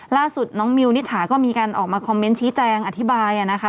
ล่าสุดน้องมิวนิถาก็มีการออกมาคอมเมนต์ชี้แจงอธิบายนะคะ